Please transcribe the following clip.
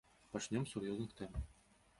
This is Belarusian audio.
Пачнём з сур'ёзных тэм.